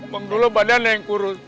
mangdulo badannya yang kurus